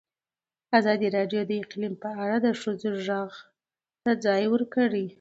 ازادي راډیو د اقلیم په اړه د ښځو غږ ته ځای ورکړی.